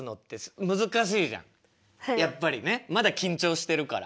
やっぱりねまだ緊張してるから。